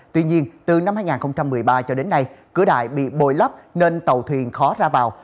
tuy nhiên từ năm hai nghìn một mươi ba cho đến nay cửa đại bị bồi lấp nên tàu thuyền khó ra vào